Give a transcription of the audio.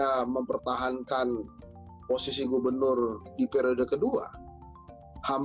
pada saat dia mempertahankan posisi gubernur di periode kedua hampir kalah dengan sudirman said